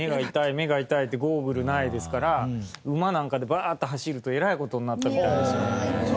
目が痛いってゴーグルないですから馬なんかでバーッと走るとえらい事になったみたいですよ。